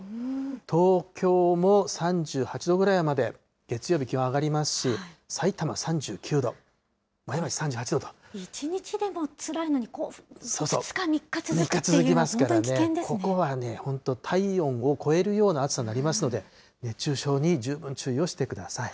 東京も３８度ぐらいまで、月曜日、気温上がりますし、１日でもつらいのに、２日、３日続くと、３日続きますからね、ここはね、本当、体温を超えるような暑さになりますので、熱中症に十分注意をしてください。